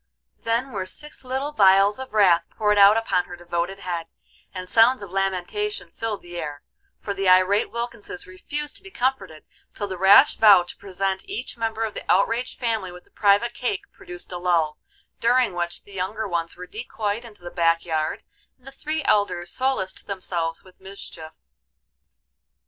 Then were six little vials of wrath poured out upon her devoted head, and sounds of lamentation filled the air, for the irate Wilkinses refused to be comforted till the rash vow to present each member of the outraged family with a private cake produced a lull, during which the younger ones were decoyed into the back yard, and the three elders solaced themselves with mischief.